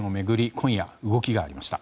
今夜、動きがありました。